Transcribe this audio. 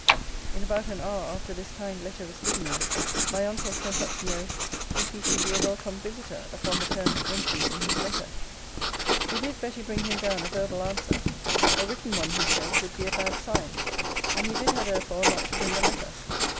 In about an hour after this kind letter was given me, my uncle sent up to know, if he should be a welcome visiter, upon the terms mentioned in his letter? He bid Betty bring him down a verbal answer: a written one, he said, would be a bad sign: and he bid her therefore not to bring a letter.